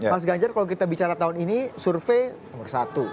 mas ganjar kalau kita bicara tahun ini survei nomor satu